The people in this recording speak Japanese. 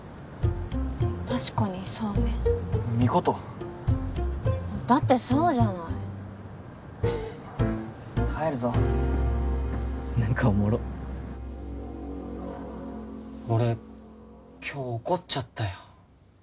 確かにそうねミコトだってそうじゃない帰るぞ何かおもろ俺今日怒っちゃったよ